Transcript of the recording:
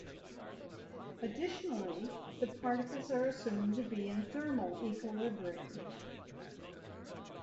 Additionally, the particles are assumed to be in thermal equilibrium.